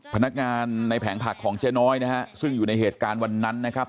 พนักงานในแผงผักของเจ๊น้อยนะฮะซึ่งอยู่ในเหตุการณ์วันนั้นนะครับ